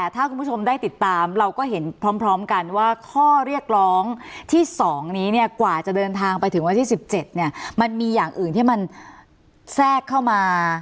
ที่๒นี้กว่าจะเดินทางไปถึงวันที่๑๗มันมีอย่างอื่นที่มันแทรกเข้ามา